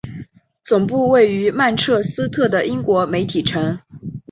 总部位于曼彻斯特的英国媒体城。